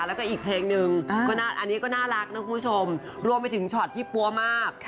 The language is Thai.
แล้วก็อีกเพลงนึงอันนี้ก็น่ารักนะคุณผู้ชมรวมไปถึงช็อตที่ปั๊วมาก